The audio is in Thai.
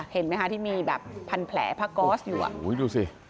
เห็นไหมคะที่มีแบบพันแผลผ้าก๊อสอยู่อ่ะดูสิ